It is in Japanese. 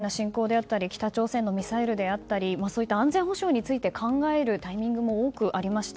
近ごろウクライナ侵攻であったり北朝鮮のミサイルであったり安全保障について考えるタイミングも多くありました。